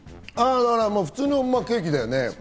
だからまぁ、普通のケーキだよね。